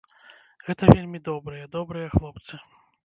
Гэта вельмі добрыя, добрыя хлопцы.